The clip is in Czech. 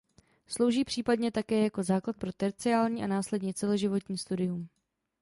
Slouží případně také jako základ pro terciární a následně celoživotní studium.